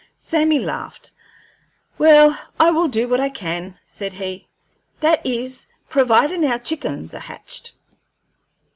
Sammy laughed. "Well, I will do what I can," said he; "that is, providin' our chickens are hatched."